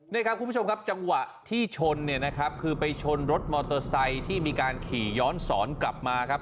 นี่ครับคุณผู้ชมครับจังหวะที่ชนเนี่ยนะครับคือไปชนรถมอเตอร์ไซค์ที่มีการขี่ย้อนสอนกลับมาครับ